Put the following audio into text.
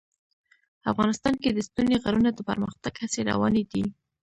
افغانستان کې د ستوني غرونه د پرمختګ هڅې روانې دي.